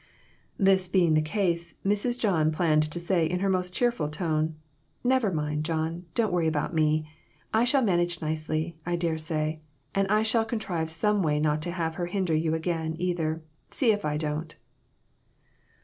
This being the case, Mrs. John planned to say in her most cheerful tone "Never mind, John; don't worry about me. I shall manage nicely, I dare say, and I shall con trive some way not to have her hinder you again, either; see if I don't."